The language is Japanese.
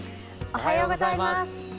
おはようございます。